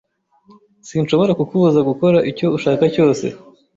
Sinshobora kukubuza gukora icyo ushaka cyose.